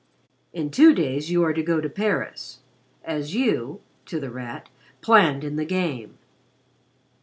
"In two days you are to go to Paris as you," to The Rat, "planned in the game."